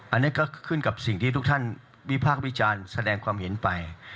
อันนี้ก็ขึ้นกับสิ่งที่ทุกท่านวิพากษ์วิจารณ์แสดงความเห็นไป